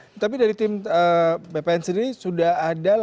ya tapi dari tim bpn sendiri sudah ada laporan